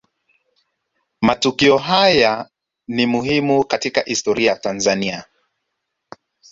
Matukio haya ni muhimu katika historia ya Tanzania